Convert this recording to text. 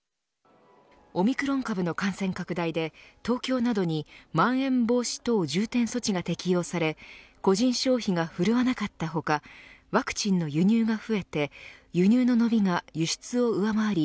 オミクロン株の感染拡大で東京などにまん延防止等重点措置が適用され個人消費が振るわなかった他ワクチンの輸入が増えて輸入の伸びが輸出を上回り